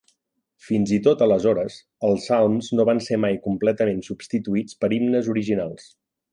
Fins i tot aleshores, els salms no van ser mai completament substituïts per himnes originals.